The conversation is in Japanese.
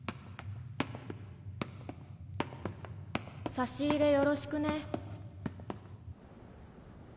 差し入れよろしくね。